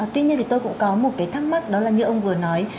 tuy nhiên thì tôi cũng có một cái thắc mắc đó là như ông vừa nói